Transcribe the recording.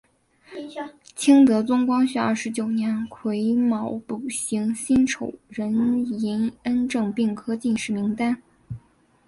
清德宗光绪二十九年癸卯补行辛丑壬寅恩正并科进士名单。